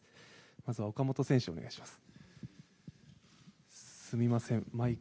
まずは岡本選手、お願いします。